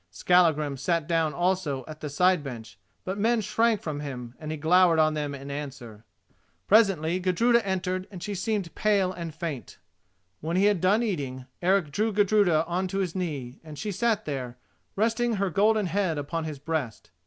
Skallagrim sat down also at the side bench; but men shrank from him, and he glowered on them in answer. Presently Gudruda entered, and she seemed pale and faint. When he had done eating, Eric drew Gudruda on to his knee, and she sat there, resting her golden head upon his breast.